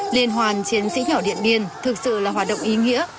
liên hoàn chiến sĩ nhỏ điện biên thực sự là hoạt động ý nghĩa